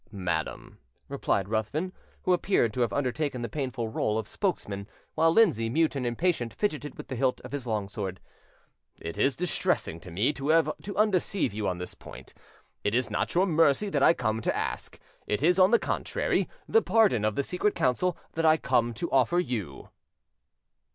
"Madam," replied Ruthven, who appeared to have undertaken the painful role of spokesman, while Lindsay, mute and impatient, fidgeted with the hilt of his long sword, "it is distressing to me to have to undeceive you on this point: it is not your mercy that I come to ask; it is, on the contrary, the pardon of the Secret Council that I come to offer you."